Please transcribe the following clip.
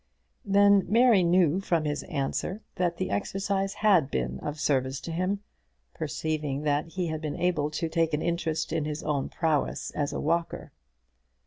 Then Mary knew from his answer that the exercise had been of service to him, perceiving that he had been able to take an interest in his own prowess as a walker.